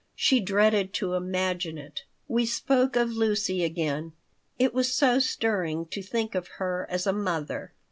She dreaded to imagine it We spoke of Lucy again. It was so stirring to think of her as a mother.